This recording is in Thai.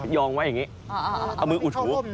ยองไว้อย่างนี้เอามืออุดหู